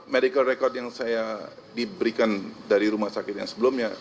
medical record yang saya diberikan dari rumah sakit yang sebelumnya